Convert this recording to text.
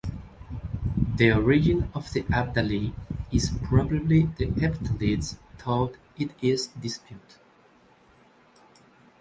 The origin of the Abdali is probably the Hephthalites though it is disputed.